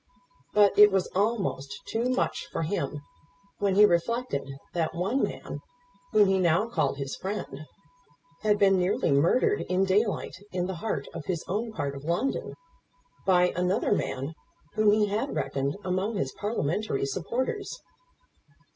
But it was almost too much for him when he reflected that one man whom he now called his friend, had been nearly murdered in daylight, in the heart of his own part of London, by another man whom he had reckoned among his Parliamentary supporters.